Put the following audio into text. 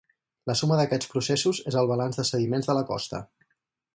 La suma d'aquests processos és el balanç de sediments de la costa.